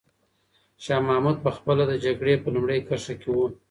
شاه محمود په خپله د جګړې په لومړۍ کرښه کې و.